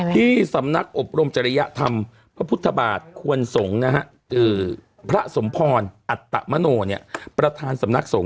ที่สำนักอบรมจริยธรรมพระพุทธบาทควรสงฆ์นะฮะพระสมพรอัตมโนประธานสำนักสงฆ